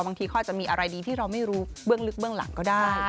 บางทีเขาอาจจะมีอะไรดีที่เราไม่รู้เบื้องลึกเบื้องหลังก็ได้